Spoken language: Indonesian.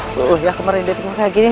tuh ya kemarin dia kaya gini